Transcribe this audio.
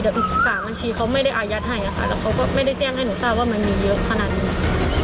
แต่อีก๓บัญชีเขาไม่ได้อายัดให้ค่ะแต่เขาก็ไม่ได้แจ้งให้หนูทราบว่ามันมีเยอะขนาดนี้